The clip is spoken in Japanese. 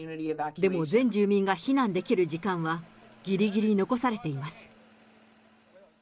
でも全住民が避難できる時間は、ぎりぎり残されています。